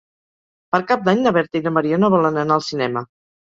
Per Cap d'Any na Berta i na Mariona volen anar al cinema.